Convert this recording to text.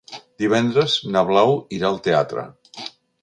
Divendres na Blau irà al teatre.